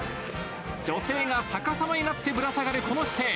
女性が逆さまになってぶら下がるこの姿勢。